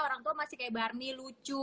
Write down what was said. orang tua masih kayak barnie lucu